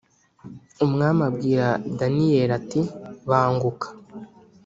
umwami abwira daniyeli ati banguka